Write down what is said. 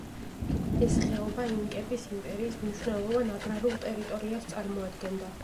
ეს ხეობა ინკების იმპერიის მნიშვნელოვან აგრარულ ტერიტორიას წარმოადგენდა.